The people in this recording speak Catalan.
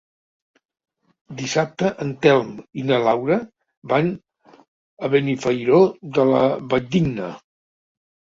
Dissabte en Telm i na Laura van a Benifairó de la Valldigna.